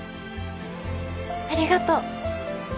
ありがとう。